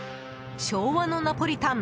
昭和のナポリタン